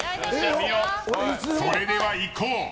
それでは、いこう。